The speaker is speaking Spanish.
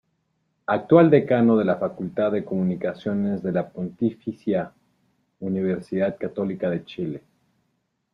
Actual decano de la Facultad de Comunicaciones de la Pontificia Universidad Católica de Chile.